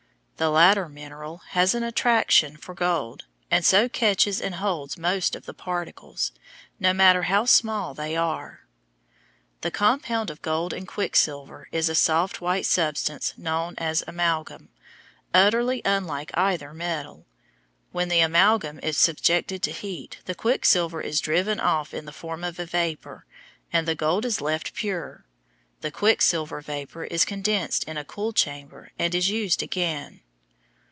The latter mineral has an attraction for gold, and so catches and holds most of the particles, no matter how small they are. The compound of gold and quicksilver is a soft white substance known as amalgam, utterly unlike either metal. When the amalgam is subjected to heat, the quicksilver is driven off in the form of a vapor, and the gold is left pure. The quicksilver vapor is condensed in a cool chamber and is used again.